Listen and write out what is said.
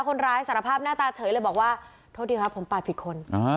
คนร้ายสารภาพหน้าตาเฉยเลยบอกว่าโทษดีครับผมปาดผิดคน